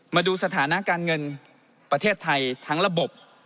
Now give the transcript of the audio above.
มาดูสถานะการเงินประเทศไทยทั้งระบบ